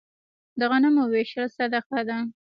د غنمو ویشل صدقه ده.